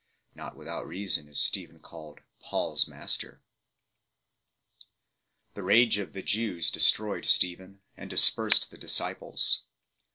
Not without reason is Stephen called " Paul s master." The rage of the Jews destroyed Stephen and dispersed the disciples.